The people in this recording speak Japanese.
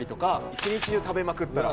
一日中食べまくったら。